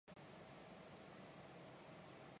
二十萬元就可以